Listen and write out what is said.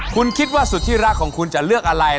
คุณคิดว่าสุดที่รักของคุณจะเลือกอะไร